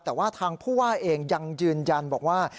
แต่ว่าทางผู้ว่าเองยังยืนยันบอกว่า